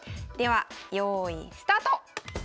ではよいスタート！